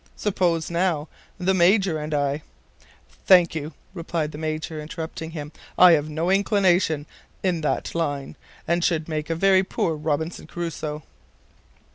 Suppose now, the Major and I " "Thank you," replied the Major, interrupting him; "I have no inclination in that line, and should make a very poor Robinson Crusoe."